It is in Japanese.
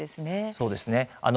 そうですね。